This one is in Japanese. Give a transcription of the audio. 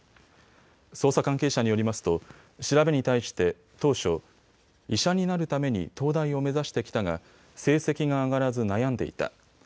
捜査関係者によりますと調べに対して当初、医者になるために東大を目指してきたが成績が上がらず悩んでいた。